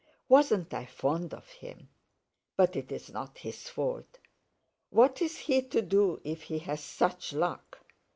Wasn't I fond of him? But it's not his fault. What's he to do if he has such luck?...